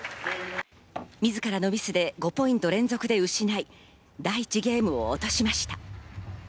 みずからのミスで５ポイント連続で失い、第１ゲームを落としました。